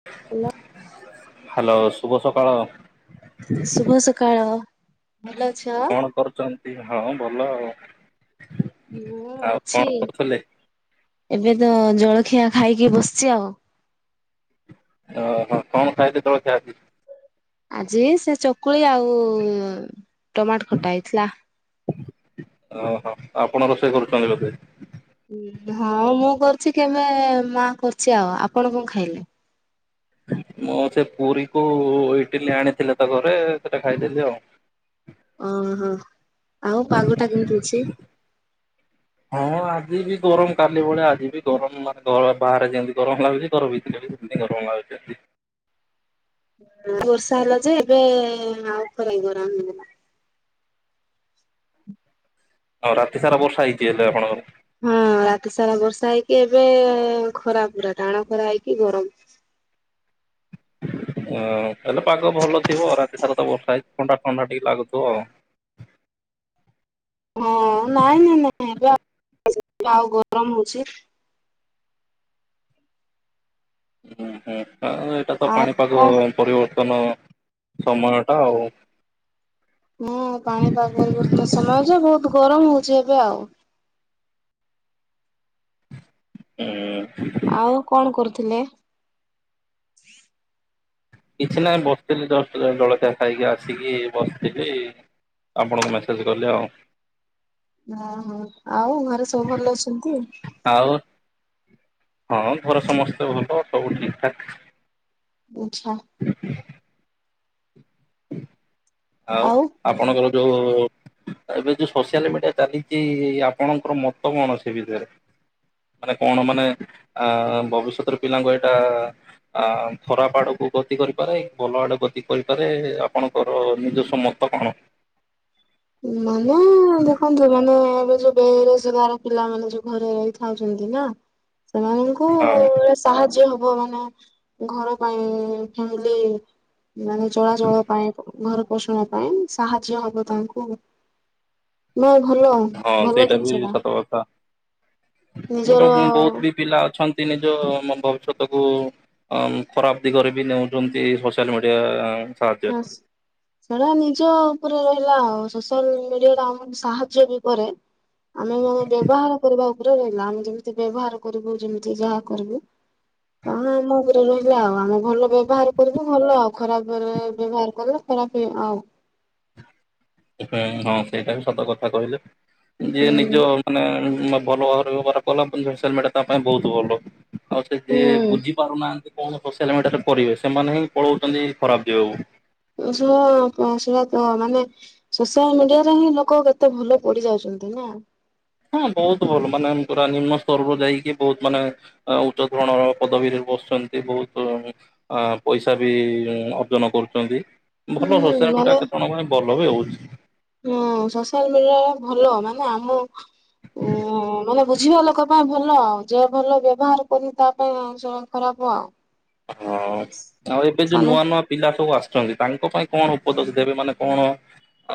[inaudible] Hello, ଶୁଭ ସକାଳ। ଶୁଭ ସକାଳ, ଭଲ ଅଛ। [inaudible] ହଁ, ଭଲ ଆଉ। ଆଉ କଣ କରୁଥିଲେ? ଏବେ ତ ଜଳଖିଆ ଖାଇକି ବସ୍‌ଚି ଆଉ। [inaudible] ଆଜି ସେ ଚକୁଳି ଆଉ ଟମାଟ୍ ଖଟା ହେ--ଥିଲା। ଆପଣ ରୋଷେଇ କରୁଚନ୍ତି ବଧେ। କ କେବେ ମା କ----ଆଉ, ଆପଣ ଖାଇଲେ? ମୁଁ ପୁରୀ କୁ ଇଟିଲି ଆଣିଥିଲେ ତ ଘରେ ସେଟା ଖାଇଦେଲି ଆଉ। ଆଉ ପାଗଟା କେ----ଅଛି? ହଁ, ଆଜି ବି ଗରମ୍ କାଲି ଭଳିଆ ଆଜି ବି ଗରମ୍ ବାହାରେ ଯେମ୍ତି ଗରମ୍ ଲାଗୁଚି। ଘର [inaudible] [inaudible] ଆଉ ରାତି ସାରା ବର୍ଷା ହେଇଚି, ହେଲେ ଆପଣ ହଁ ରାତି ସାରା ବର୍ଷା ହେଇକି, ଏବେ ଖରା ପୁରା ଟାଣ ଖରା ହେଇକି ଗରମ୍। ତାହାଲେ ପାଗ ଭଲ ଥିବ, ରାତି ସାରା ତ ବର୍ଷା ହେଇଚି ଥଣ୍ଡା ଥଣ୍ଡା ଟିକେ ଲାଗୁଥୁବ ଆଉ। [inaudible] ଏଟା ତ ଆଉ ପାଣିପାଗ କଣ ପରିବର୍ତ୍ତନ ସମୟ ଟା ଆଉ। ପାଣିପାଗ ବର୍ତ୍ତନ ସମୟ ଯେ ବହୁତ୍ ଗରମ ହଉଚି ଏବେ ଆଉ। ହୁଁ ଆଉ କ'ଣ କରୁଥିଲେ? କିଛି ନାହିଁ ବସ୍‌ଥିଲି ଜଷ୍ଟ ଜଳଖିଆ ଖାଇକି ଆସିକି ବସ୍‌ଥିଲି। ଆପଣଙ୍କୁ ମେସେଜ୍ କଲି ଆଉ। ଆଉ ଘରେ ସବୁ ଭଲ ଅ--ନ୍ତି। ହଁ ଘରେ ସମସ୍ତେ ଭଲ ସବୁ ଠିକ୍ ଠାକ୍। [inaudible] ଆଉ ଆପଣଙ୍କର ଏବେ ଯଉ ସୋସିଆଲ୍ ମିଡ଼ିଆ ଚାଲିଚି, ଆପଣଙ୍କର ମତ କ'ଣ ସେ ମାନେ କ'ଣ ମାନେ----ଭବିଷ୍ୟତରେ ପିଲାଙ୍କୁ ଏ--ଟା ଖରାପ୍ ଆଡ଼କୁ ଗତି କରିପାରେ, ଭଲ ଆ ଗତି କରିପାରେ। ଆପଣ--ର [inaudible] ମାନେ ଦେଖନ୍ତୁ ମାନେ ଏବେ ଯଉ ବେରୋଜଗାର ପିଲାମାନେ ଯଉ ଘରେ ରହି ସେମାନଙ୍କୁ ହଁ ହୁଁ ସାହାଯ୍ୟ ହବ ମାନେ ଘର ପାଇଁ କି ହେଲେ ମାନେ ଚଳାଚଳ ପାଇଁ ଘର ପୋଷଣ ପାଇଁ ସାହାଯ୍ୟ ହବ ତାଙ୍କୁ ନା ଭଲ ହଁ ଭଲ ସେଇଟା ଜିନିଷ ବି ଟା ସତ କଥା। ନିଜର ଗୋଟେ ବହୁତ ବି ପିଲା ଅଛନ୍ତି ନିଜ [unintelligible] ଅମ୍ ଖରାପ ଦିଗରେ ବି ନେଉଛନ୍ତି ସୋସିଆଲ ମିଡିଆ ସାହାଯ୍ୟରେ। ବସ୍ ସେଟା ନିଜ ଉପରେ ରହିଲା ଆଉ ସୋସିଆଲ ମିଡିଆ ଟା ଆମକୁ ସାହାଯ୍ୟ ବି କରେ। ଆମେ ମାନେ ବ୍ୟବହାର କରିବା ଉପରେ ରହିଲା ଆମେ ଯେମିତି ବ୍ୟବହାର କରିବୁ ଯେମିତି ଯାହା କରିବୁ। ହଁ ଆମ ଉପରେ ରହିଲା ଆଉ ଆମେ ଭଲ ବ୍ୟବହାର କରିବୁ ଭଲ ଆଉ ଖରାପରେ ବ୍ୟବହାର କଲେ ଖରାପେ ଆ ପାଇଁ ହଁ ସେଇଟା ବି ସତ କଥା କହିଲେ। ଯିଏ ହୁଁ ନିଜ ମାନେ ଭଲ ଭାବରେ ବ୍ୟବହାର କଲା ସୋସିଆଲ ମିଡିଆ ତା ପାଇଁ ବହୁତ ଭଲ ଆଉ ସେ ଯିଏ ହୁଁ ବୁଝି ପାରୁନାହାନ୍ତି କଣ ସୋସିଆଲ ମିଡିଆରେ କରିବେ ସେମାନେ ହିଁ ପଳଉଛନ୍ତି ଖରାପ ଦିଗକୁ। ପଇସା ପଇସା ତ ମାନେ ସୋସିଆଲ ମିଡିଆରେ ହିଁ ଲୋକ କେତେ ଭଲ ପଡ଼ି ଯାଉଛନ୍ତି ନା। ହଁ ବହୁତ ଭଲ ମାନେ ପୁରା ନିମ୍ନ ସ୍ତରରୁ ଯାଇକି ବହୁତ ମାନେ ଉଚ୍ଚ ଧରଣର ପଦବୀରେ ବସୁଛନ୍ତି ବହୁତୁ ଅ ପଇସା ବି ଅର୍ଜନ କରୁଛନ୍ତି। ଭଲ ହୁଁ ସୋସିଆଲ ମିଡିଆ ମାନେ କେତେ ଜଣଙ୍କ ପାଇଁ ଭଲ ବି ହଉଛି। ହଁ ସୋସିଆଲ ମିଡିଆ ଟା ଭଲ ମାନେ ଆମ ଉଁ ମାନେ ବୁଝିବା ଲୋକ ପାଇଁ ଭଲ ଆଉ ଯେ ଭଲ ବ୍ୟବହାର କରନି ତା ପାଇଁ ଖରାପ ଆଉ। ହଁ ଆଉ ଏବେ ଯୋଉ ସାନ ନୂଆ ନୂଆ ପିଲା ସବୁ ଆସୁଛନ୍ତି ତାଙ୍କ ପାଇଁ କଣ ଉପଦେଶ ଦେବେ ମାନେ କଣ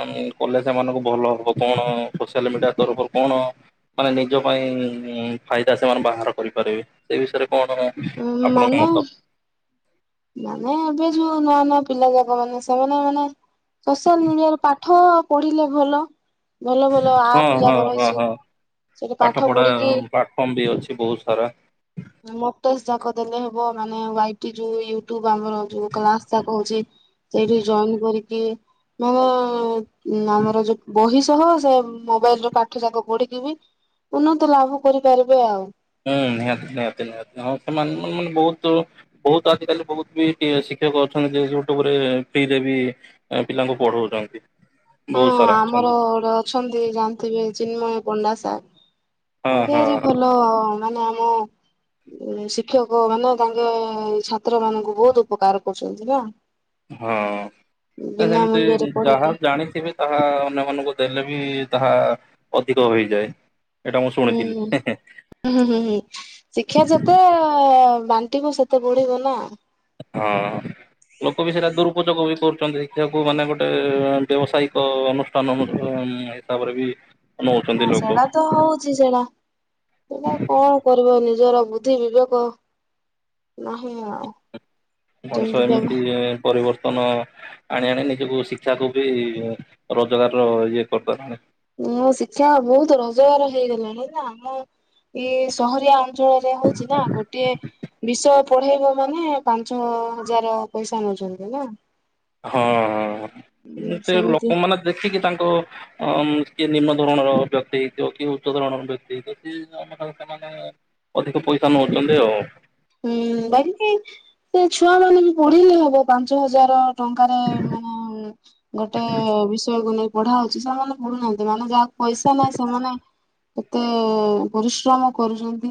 ଆ କଲେ ସେମାନଙ୍କୁ ଭଲ ହବ କଣ ସୋସିଆଲ ମିଡିଆ ତରଫରୁ କଣ? ମାନେ ନିଜ ପାଇଁ ଫାଇଦା ସେମାନେ ବାହାର କରିପାରିବେ। ସେଇ ବିଷୟରେ କଣ ଆପଣଙ୍କ ମାନେ ମତ? ମାନେ ଏବେ ଯୋଉ ନୂଆ ନୂଆ ପିଲା ଯାକ ମାନେ ସେମାନେ ମାନେ ସୋସିଆଲ ମିଡିଆରେ ପାଠ ପଢ଼ିଲେ ଭଲ। ଭଲ ଭଲ ହଁ ଆପ ହଁ ଯାକ ହଁ ରହିଛି। ହଁ ସେଠି ପାଠ ପଢ଼ା ପଢିକି ପ୍ଲାଟଫର୍ମ ବି ଅଛି ବହୁତ ସାରା। ମୋକ ଟେଷ୍ଟ ଯାକ ଦେଲେ ହେବ ମାନେ ୱାଟି ଯୋଉ ୟୁ ଟୁ ବ ଆମର ଯୋଉ କ୍ଲାସଟା କହୁଛି ସେଇଠି ଜଏନ୍ କରିକି ମାନେ ଉଁ ଆମର ଯୋଉ ବହି ସହ ସେ ମୋବାଇଲରେ ପାଠ ଯାକ ପଢ଼ିକି ବି ଉନ୍ନତ ଲାଭ କରିପାରିବେ ଆଉ। ହୁଁ ନିହାତି ନିହାତି ନିହାତି ହଁ ସେମାନେ ମାନେ ବହୁତୁ ବହୁତ ଆଜିକାଲି ବହୁତ ବି ଶିକ୍ଷକ ଅଛନ୍ତି ଯେ ୟୁଟୁବରେ ଫ୍ରିରେ ବି ପିଲାଙ୍କୁ ପଢ଼ଉଛନ୍ତି। ହଁ ଆମର ଗୋଟେ ଅଛନ୍ତି ଜାଣିଥିବେ ଚିନ୍ମୟ ପଣ୍ଡାସାର୍। ଆ ହଁ ହଁ [unintelligible] ଭଲ ମାନେ ଆମ ଉ ଶିକ୍ଷକ ମାନେ ତାଙ୍କେ ଛାତ୍ର ମାନଙ୍କୁ ବହୁତ ଉପକାର କରୁଛନ୍ତି ନା। ହଁ ନା ବିନା ସେମିତି ମୂଲ୍ୟରେ ଯାହା ପଢେଇକି ଜାଣିଥିବେ ତାହା ଅନ୍ୟମାନଙ୍କୁ ଦେଲେ ବି ତାହା ଅଧିକ ହୋଇଯାଏ। ଏଇଟା ମୁଁ ଶୁଣିଥିଲି ହୁଁ ହେଁ ହେଁ ହୁଁ ହୁଁ ହୁଁ ଶିକ୍ଷା ଯେତେ ବାଣ୍ଟିବ ସେତେ ବଢ଼ିବ ନା। ହଁ ଲୋକ ବି ସେଇଟା ଦୁରୁପଯୋଗ ବି କରୁଛନ୍ତି ଶିକ୍ଷାକୁ ମାନେ ଗୋଟେ ବ ବ୍ୟବସାୟିକ ଅନୁଷ୍ଠାନ ମଧ୍ୟ ତା ପରେ ବି ନଉଛନ୍ତି ହଁ ଲୋକ ସେଡ଼ା ତ ହୋଉଛି ସେଟା ସେଇଟା କଣ କରିବ ନିଜର ବୁଦ୍ଧି ବିବେକ ନାହିଁ ଆ ମଣିଷ ଏମିତି ପରିବର୍ତ୍ତନ ଆଣି ଆଣି ନିଜକୁ ଶିକ୍ଷା କୁ ବି ରୋଜଗାର ର ଇଏ କରିଦେଲାଣି। ମୁଁ ଶିକ୍ଷା ବହୁତ ରୋଜଗାର ହେଇଗଲାଣି ନା ଆମ ଏଇ ସହରିଆ ଅଞ୍ଚଳରେ ହଉଛି ନା ଗୋଟେ ବିଷ ପଢ଼େଇବ ମାନେ ପାଞ୍ଚ ହଜାର ପଇସା ନୋଉଛନ୍ତି ନା। ହଁ ହଁ ଉଁ ସେ ସେମିତି ଲୋକମାନେ ଦେଖିକି ତାଙ୍କ ଅଁ କିଏ ନିମ୍ନ ଧୋରଣର ବ୍ୟକ୍ତି ହେଇତିବ କି ଉଚ୍ଚ ଧରଣର ବ୍ୟକ୍ତି ହେଇଥିବ କିଏ ଆମେ ତାକୁ କ୍ଷମା ଅଧିକ ପଇସା ନଉଛନ୍ତି ଆଉ। ହୁଁ ବାହି କେ ସେ ଛୁଆ ମାନେବି ପଢ଼ିଲେ ହବ ପାଞ୍ଚହଜାର ଟଙ୍କାରେ ମାନେ ଗୋଟେ ବିଷୟକୁ ନେଇ ପଢ଼ା ହୋଉଛି ସେମାନେ ପଢ଼ୁନାହାନ୍ତି ମାନେ ଯାହାର ପଇସା ନାହିଁ ସେମାନେ ଏତେ ପରିଶ୍ରମ କରୁଛନ୍ତି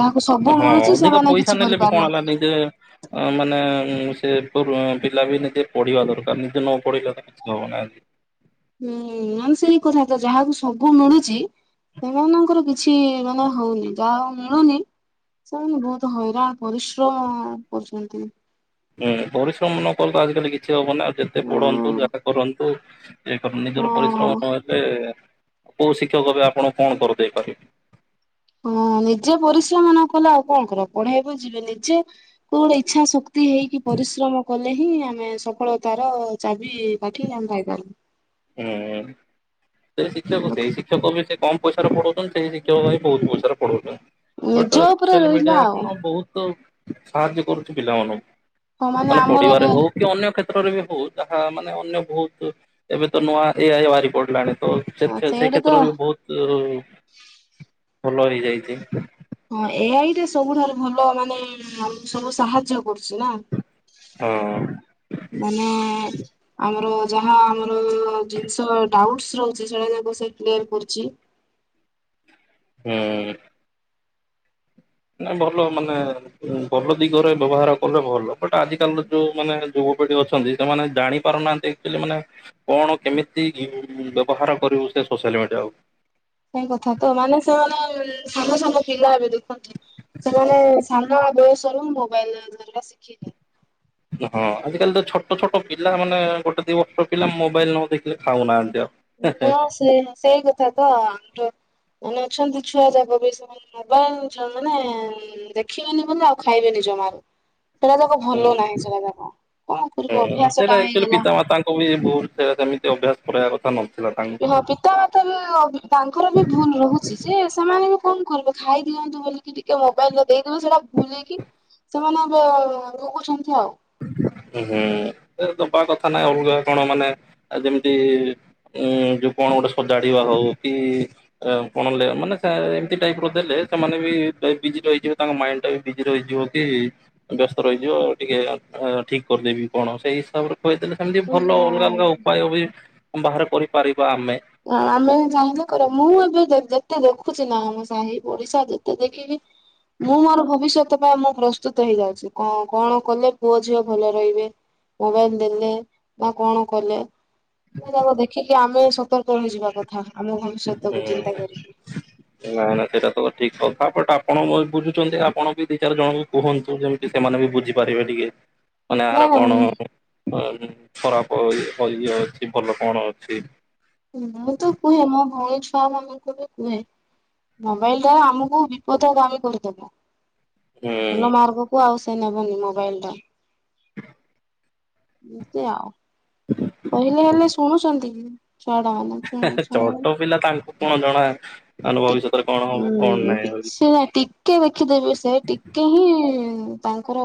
ଯାହାକୁ ସବୁ ହଁ ମଣି ଅଧିକ ପଇସା ନେଲେ ବି କଣ ହେଲା ନିଜେ ମାନେ ସେ ପୁରୁ ପିଲା ବି ନିଜେ ପଢ଼ିବା ଦରକାର୍ ନିଜେ ନ ପଢ଼ିଲେ ବି ବବୁ ନାହାନ୍ତି ହୁଁ ନହେନେ ସେଇ କଥା ତ ଯାହାକୁ ସବୁ ମିଳୁଛି ସେମାନଙ୍କର କିଛି ମାନେ ହଉନି ଯାହାର ମିଳୁନି ସେମାନେ ବହୁତ ହଇରାଣ ପରିଶ୍ରମ କରୁଛନ୍ତି। ହୁଁ ପରିଶ୍ରମ ନକଲେ ତ ଆଜିକାଲି କିଛି ହବନି ଆଉ ଯେତେ ପଢ଼ନ୍ତୁ ହଁ ଯାହା କରନ୍ତୁ। ହେଇପାରୁନି ଧର ପରିଶ୍ରମ ହଁ ନହେଲେ କୋଉ ଶିକ୍ଷକ ବି ଆପଣ କଣ କରିଦେଇପାରିବେ। ହଁ ନିଜେ ପରିଶ୍ରମ ନକଲେ ଆଉ କଣ କରିବ ପଢ଼େଇବାକୁ ଯିବେ ନିଯେ ତୁ ଗୋଟେ ଇଛା ସକ୍ ତି ହେଇକି ପରିଶ୍ରମ କଲେ ହିଁ ଆମେ ସଫଳତାର ଚାବି ପାଠି ଆମେ ପାଇ ପାରିଲୁ। ହୁଁ ସେ ଶିକ୍ଷା ମୁଁ ଦେଇ ସେପ ବି ସେ କମ୍ ପଇସାରେ ପଢ଼ଉଛନ୍ତି ସେଇ ଶିକ୍ଷକ ହିଁ ବହୁତ୍ ପଇସାରେ ପଢ଼ଉଛନ୍ତି। ନିଜ ବଟ ଉପରେ ସୋସିଆଲ୍ ରହିଲା ମିଡ଼ିଆ ଆଉ କଣ ବହୁତ୍ ସାହାଯ୍ୟ କରୁଛି ହଁ ପିଲାମାନଙ୍କୁ। ମାନେ ଆମର ପଢ଼ିବାରେ ଏବେ ହୋଉ କି ଅନ୍ୟ କ୍ଷେତ୍ରରେ ବି ହୋଉ ଯାହା ମାନେ ଅନ୍ୟ ବହୁତ୍ ଏବେ ତ ନୂଆ ଏ ଆଇ ବାହାରି ପଡ଼ିଲାଣି ତ ସେଥି ସେ ସେଇଟା ତ କ୍ଷେତ୍ରରୁ ବି ବହୁତ୍ ତ ଭଲ ହେଇ ଯାଇଛି। ହଁ ଏଆଇଟା ସବୁଠାରୁ ଭଲ ମାନେ ସବୁ ସାହାଯ୍ୟ କରୁଛି ନା। ହଁ ମାନେ ଆମର ଯାହା ଆମର ଜିନିଷ ଡାଉଟସ ରହୁଛି ସେଟା ଯେହେତୁ ସେ କ୍ଲିୟର୍ କରୁଛି। ହୁଁ ନା ଭଲ ମାନେ ଭଲ ଦିଗରେ ବ୍ୟବହାର କଲେ ଭଲ ବଟ ଆଜିକାଲିର ଯୋଉ ମାନେ ଯୁବପିଢ଼ି ଅଛନ୍ତି ସେମାନେ ଜାଣିପାରୁନାହାନ୍ତି। କିଲ ମାନେ କଣ କେମିତି ବ୍ୟବହାର କରିବୁ ସେ ସୋସିଆଲ ମିଡ଼ିଆ କୁ ସେଇ କଥା ତ ମାନେ ସେମାନେ ସାଙ୍ଗ ସାଙ୍ଗ ପିଲା ଏବେ ଦେଖନ୍ତି। ସେମାନେ ସାନ ବୟସରୁ ମୋବାଇଲ ଧରିବା ଶିଖିଯାଇ। ହଁ ଆଜିକାଲି ତ ଛୋଟ ଛୋଟ ପିଲା ମାନେ ଗୋଟେ ଦି ବର୍ଷ ପିଲା ମୋବାଇଲ ନ ଦେଖିଲେ ଖାଉନାହାନ୍ତି ଆଉ। ହଁ ସେ ସେଇ କଥା ତ ଆମଠ ମାନେ ଅଛନ୍ତି ଛୁଆ ଯାକ ବି ସେ ମୋବାଇଲ ମାନେ ଦେଖିବେନି ବଲ ଆଉ ଖାଇବେନି ଜମାରୁ ସେଟା ଯାକ ଭଲ ନାହିଁ ହୁଁ ସେଟା ଯାକ କଣ କରିବ ଅଭ୍ୟାସ ଟା ହେଇଗଲା। ବହୁତ ସେ ସେମିତି ଅଭ୍ୟାସ କରିବା କଥା ନଥିଲା ତାଙ୍କ। ପିତାମାତା ବି ତାଙ୍କର ବି ଭୁଲ ରହୁଛି ଯେ ସେମାନେ ବି କଣ କରିବେ ଖାଇ ଦିଅନ୍ତୁ ବିକି ଟ ଟିକେ ମୋବାଇଲ ଦେଇଦିବ ସେଇଟା ଭୁଲେଇକି ସେମାନେ ଭୋଗୁଛନ୍ତି ଆଉ। ହ ହୁଁ ଏ ବା କଥା ନହିଁ ଅଲଗା କଣ ମାନେ ଯେମିତି ଉଁ ଯୋଉ କଣ ଗୋଟେ ସଜାଡିବା ହଉ କି କଣ ମାନେ ଏମିତି ଟାଇପ ର ଦେଲେ ସେମାନେ ବି ବିଜି ରହିିଯିବେ ତାଙ୍କ ମାଇଣ୍ଡରେ ବିଜି ରହିଯିବ କି ବ୍ୟସ୍ତ ରହିଯିବ ଆଉ ଟିକେ ଠିକ କରିଦେବି କଣ ସେଇ ହିସାବରେ କହିୁଆଇଦେଲେ ସେମିତି ହଁ ଭଲ ଅଲଗା ଅଲଗା ଉପାୟ ବି ଆମେ ବାହାର କରିପାରିବା ଆମେ। ହ ଆମେ ଚାହିଁଲେ କର ମୁଁ ଏବେ ଯେତେ ଦେଖୁଛି ନା ଆମ ସାହି ପଡିଶା ଯେତେ ଦେଖିକି ମୁଁ ମୋର ଭବିଷ୍ୟତ ପାଇଁ ମୁଁ ପ୍ରସ୍ତୁତ ହେଇଯାଉଛି କ କଣ କଲେ ପୁଅ ଝିଅ ଭଲ ରହିବେ ମୋବାଇଲ ଦେଲେ ବା କଣ କଲେ ତାଙ୍କ ଦେଖିକି ଆମେ ସତର୍କ ରହିଯିବା କଥା ଆମ ଭବିଷ୍ୟତକୁ ଚିନ୍ତା କରିକି ନାଇଁ ନାାଇଁ ସେଇଟା ତ ଠିକ କଥା ବଟ ଆପଣ ବୁଝୁଛନ୍ତି ଆପଣ ବି ଦି ଚାରି ଜଣ ବି କୁହନ୍ତୁ ଯେମିତି ସେମାନେ ବି ବୁଝିପାରିବେ ଟିକେ ମାନେ ନା ଆହାର କଣ ଖରାପ ଇଏ ଅଛି ଭଲ କଣ ଅଛି ମୁଁ ତ କୁହେ ମୋ ଭଉଣୀ ଛୁଆ ମାନଙ୍କୁ ବି କୁହେ ମୋବାଇଲ ଟା ଆମକୁ ବିପଦ ଦମୀ କରିଦବ ହୁଁ ଭଲ ମାର୍ଗ କୁ ଆଉ ସେ ନେବନି ମୋବାଇଲ ଟ [inaudible] ନି ସେେ ଆଉ କହିଲେ ହେଲେ ଶୁଣୁଛନ୍ତି କି ଚଛଡ଼ ଛୋଟ ପିଲା ତାଙ୍କୁ କଣ ଜଣା ତାାନେ ଭବିଷ୍ୟତରେ କଣ ହବ କଣ ନାହିଁଉ ସେ ନା ଟିକେ ଦେଖିଦେବି ସେ ଟିକେ ହିଁ ତାଙ୍କର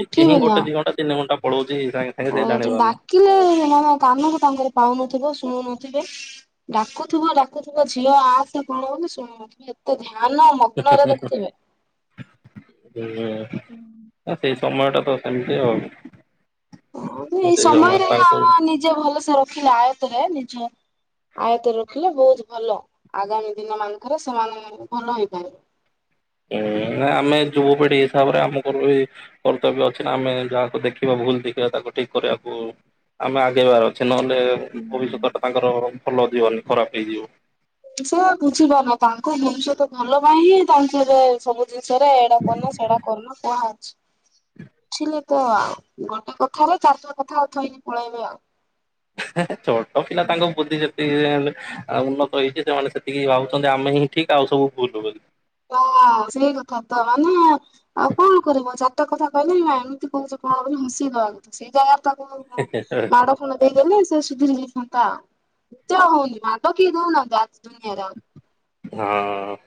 ଟିକେି ଗୋଟେ ଦିଣ୍ା ତିନିଣ୍ଟା ପଳଉଛିଇଙ୍ଗେ ାଉ ଡାକିଲେ ମାନ କାନକୁ ତାଙ୍କରେ ପାଉନଥିବ ଶୁଣୁନଥିବେ ଡାକୁଥିବ ଡାକୁଥିବ ଝିଅ ଆ ସେ କଣ କ ଶୁଣ ଏତେ ଧ୍ୟାନ ମଗ୍ନରେ ଦେଖୁଥିବେ। ସେ ହୁଁ ସେଇ ସମୟଟା ତ ସେମିତି ହବ ଏଇ ସମୟରେ ହିଁ ତାଙ୍କୁ ଆମ ନିଜେ ଭଲସେ ରଖିଲେ ଆୟତରେ ନିଜ ଆୟତ ରଖିଲେ ବହୁତ ଭଲ ଆଗାମୀ ଦିନ ମାନଙ୍କରେ ସେମାନେଙ୍କ ଭଲ ହେଇପାରେ ହୁଁ ଆମେ ଯୁବପିଢି ହିସାବରେ ଆମର ଏ କର୍ତ୍ତବ୍ୟ ଅଛି ନା ଆମେ ଯାହାକୁ ଦେଖିବା ଭୁଲ ଦେଖିବା ତାକୁ ଠିକ କରିବାକୁ ଆମେ ଆଗେଇବାର ଅଛେ ନହେଲେ ଭବିଷ୍ୟତ ହୁଁ। ଟା ତାଙ୍କର ଭଲ ଯିବନି ଖରାପ ହେଇଯିବ ସେ ବୁଝିପାରୁନ ତାଙ୍କ ମନୁଷ୍ୟ ତ ଭଲ ପାଇଁ ହିଁ ତାଙ୍କୁ ଏ ସବୁ ଜିନିଷ ଏଇଟା କରନ ସେଇଟା କରନ କହ ଅଛି ବୁଝିଲେ ତ ଗୋଟେ କଥ ହେଲେ ଚାରି କଥା ଆଉଥଇକି ପଳେଇବେ ଆଉ ଛୋଟ କି ନା ହୁଁ। ତାଙ୍କୁ ବୁଦ୍ଧିଛନ୍ତିଛନ୍ତି ଉନ୍ନତ ହେଇଛି ସେମାନେ ସେତିକି ଭାବଛନ୍ତି ଆମେ ହିଁ ଠିକ ଆଉ ସବୁ ଭୁଲ ବୋଲି ଓ ସେଇ କଥା ତ ମାନେ ଆଉ କଣ କରିବ ଚାରି କଥା କହିଲେ ଏମିତି କହୁଛ କଣ ବୋଲି ହସଦ ଆକୁ ସେଇ ଜାଗାରେ ତାକୁ ହଁ। ମାଡ ଫଣ ଦେଇଦେଲେ ସେ ସୁଧିରି ଯାଇଥାନ୍ତା ହଉନି ମାଦ କିଏ ଦଉନାହାନ୍ତି ଆଜି ଦୁନିଆରେ ହଁ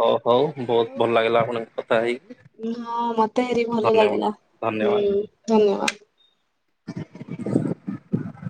ହଉ, ହଉ ବହୁତ ହଉ। ଭଲ ଲାଗିଲା ଆପଣଙ୍କ କଥା ହେଇକି। ହଁ, ମତେ ଭାରି ଭଲ ଧନ୍ୟବାଦ ଲାଗିଲା ଧନ୍ୟବାଦ। ହୁଁ ଧନ୍ୟବାଦ। [inaudible]